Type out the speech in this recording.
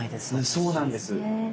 そうなんです。